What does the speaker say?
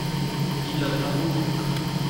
Il l’a dans la peau.